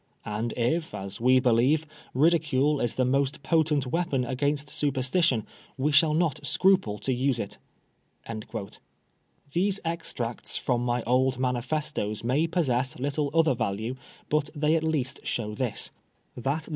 And if, as we believe, ridi cule is the most potent weapon against superstition, we shall not scruple to use it*' These extracts from my old manifestoes may possess little other value, but they at least show this, that the 22 PRISONER FOR BLASPHEMY.